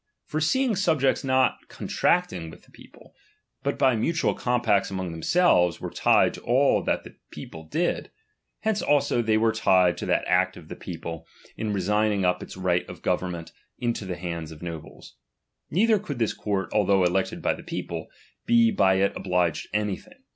For seeing subjects not contracting^ "^^ith the people, but by mutual compacts among i" tlaemselves, were tied to all that the people did ; lience also they were tied to that act of the people, •iri resigning up its right of government into the *■» ands of nobles. Neither could this court, although *^lected by the people, be by it obliged to anything.